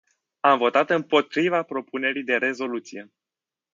Am votat împotriva propunerii de rezoluție.